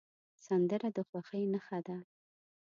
سندره د خوښۍ نښه ده